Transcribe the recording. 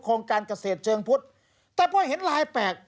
การเกษตรเชิงพุทธแต่พอเห็นลายแปลก